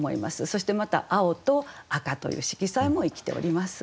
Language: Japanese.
そしてまた青と赤という色彩も生きております。